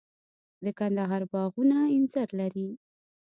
د کندهار باغونه انځر لري.